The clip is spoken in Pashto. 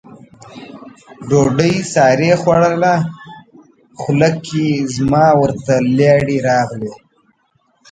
ډوډۍ سارې خوړله، خوله کې زما ورته لاړې راغلې.